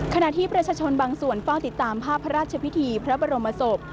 ขณะที่ประชาชนบางส่วนเฝ้าติดตามภาพพระราชพิธีพระบรมศพ